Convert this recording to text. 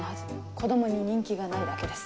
子供に人気がないだけです。